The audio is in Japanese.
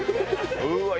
うわっ！